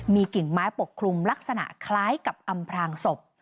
มีกิ่งไม้ปกคลุมลักษณะคล้ายกับอำพลางศพ